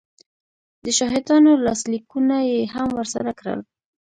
د شاهدانو لاسلیکونه یې هم ورسره کړل